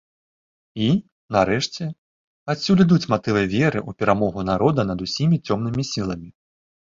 І, нарэшце, адсюль ідуць матывы веры ў перамогу народа над усімі цёмнымі сіламі.